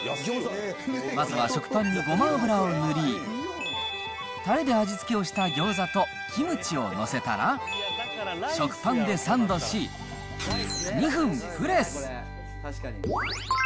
まずは食パンにごま油を塗り、たれで味付けをしたギョーザとキムチを載せたら、食パンでサンドし、２分プレス。